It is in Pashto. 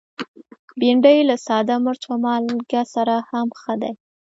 بېنډۍ له ساده مرچ او مالګه سره هم ښه ده